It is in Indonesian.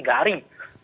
setelah penetapan peserta